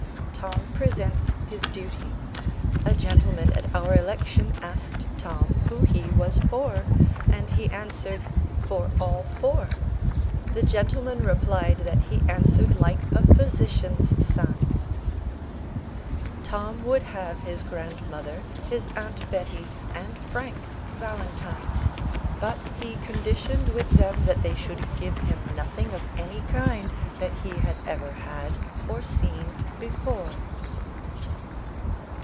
Tom presents his duty. A gentleman at our election asked Tom who hee was for? and he answered, "For all four." The gentleman replied that he answered like a physician's son. Tom would have his grandmother, his aunt Betty, and Frank, valentines: but hee conditioned with them that they should give him nothing of any kind that hee had ever had or seen before.